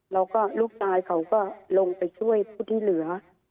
แล้วก็ลูกชายเขาก็ลงไปช่วยผู้ที่เหลือ